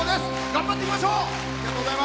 頑張っていきましょう！